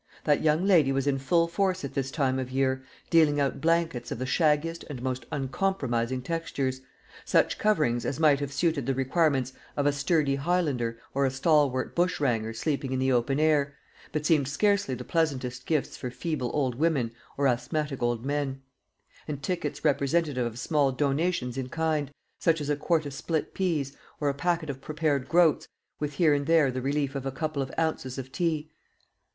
That young lady was in full force at this time of year, dealing out blankets of the shaggiest and most uncompromising textures such coverings as might have suited the requirements of a sturdy Highlander or a stalwart bushranger sleeping in the open air, but seemed scarcely the pleasantest gifts for feeble old women or asthmatic old men and tickets representative of small donations in kind, such as a quart of split peas, or a packet of prepared groats, with here and there the relief of a couple of ounces of tea.